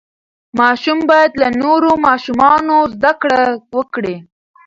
ماشوم باید له نورو ماشومانو زده کړه وکړي.